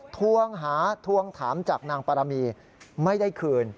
ทวงหาทวงถามจากนางปรมีไม่ได้คืน